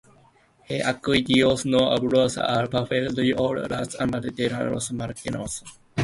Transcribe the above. He aquí, Dios no aborrece al perfecto, Ni toma la mano de los malignos.